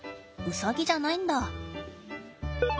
ウサギじゃないんだ。